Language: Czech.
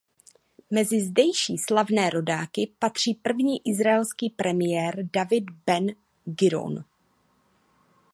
Mezi zdejší slavné rodáky patří první izraelský premiér David Ben Gurion.